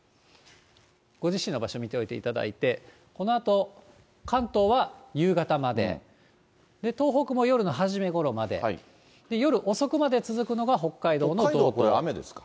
ご自身の場所を見ておいていただいて、このあと関東は夕方まで、東北も夜の初めごろまで、北海道、これ、雨ですか。